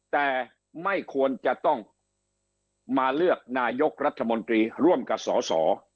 แต่ไม่ควรจะต้องมาเลือกนายกรัฐมนตรีร่วมกับสส